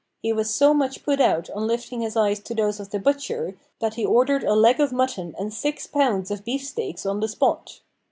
He was so much put out on lifting his eyes to those of the butcher, that he ordered a leg of mutton and six pounds of beefsteaks on the spot.